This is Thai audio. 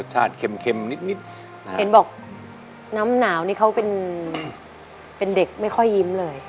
เค็มนิดเห็นบอกน้ำหนาวนี่เขาเป็นเด็กไม่ค่อยยิ้มเลย